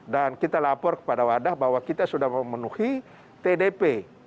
dan kita lapor kepada wadah bahwa kita sudah memenuhi tdp